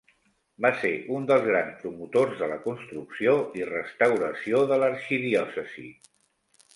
Va ser un dels grans promotors de la construcció i restauració de l'arxidiòcesi.